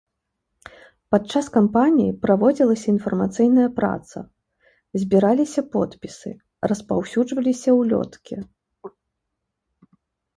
Падчас кампаніі праводзілася інфармацыйная праца, збіраліся подпісы, распаўсюджваліся ўлёткі.